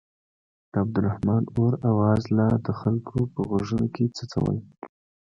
د عبدالرحمن اور اواز لا د خلکو په غوږونو کې څڅول.